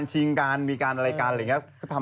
เพราะว่าตอนนี้ก็ไม่มีใครไปข่มครูฆ่า